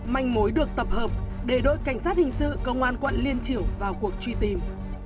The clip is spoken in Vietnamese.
manh mối được tập hợp để đội cảnh sát hình sự công an quận liên triểu vào cuộc truy tìm